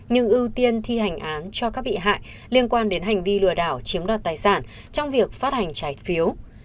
nhưng ưu tiên thi hành án cho các bị hại liên quan đến hành vi lừa đảo chiếm đoạt tài sản trong việc phát hành trái phiếu